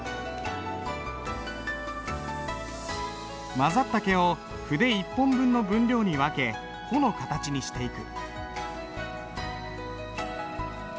混ざった毛を筆一本分の分量に分け穂の形にしていく。